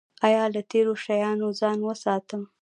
ایا له تیرو شیانو ځان وساتم؟